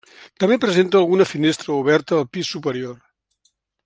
També presenta alguna finestra oberta al pis superior.